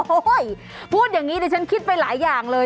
โอ้โฮพูดอย่างนี้เดี๋ยวฉันคิดไปหลายอย่างเลย